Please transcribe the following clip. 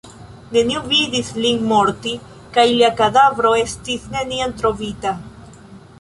Neniu vidis lin morti kaj lia kadavro estis neniam trovita.